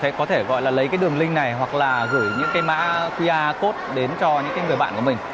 đúng rồi họ có thể gọi là lấy cái đường link này hoặc là gửi những cái mã qr code đến cho những người bạn của mình